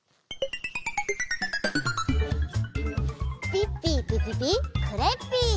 ピッピーピピピクレッピー！